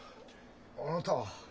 あなたは。